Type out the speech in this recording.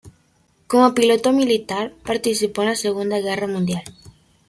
Como piloto militar participó en la segunda guerra mundial.